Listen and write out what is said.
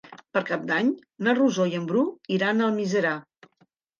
Per Cap d'Any na Rosó i en Bru iran a Almiserà.